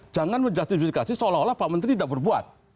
jangan menjustifikasi seolah olah pak menteri tidak berbuat